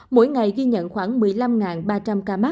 mỗi ngày ghi nhận khoảng một mươi năm ba trăm linh ca mắc